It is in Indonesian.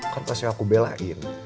kan pasti aku belain